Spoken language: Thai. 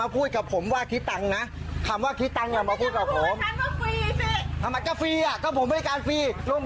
คุณต้องมาพูดบริการฟรีสิ